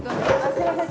すいません